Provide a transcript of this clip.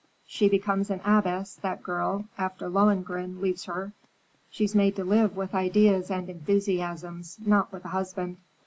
She becomes an abbess, that girl, after Lohengrin leaves her. She's made to live with ideas and enthusiasms, not with a husband."